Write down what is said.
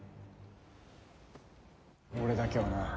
俺だけはな。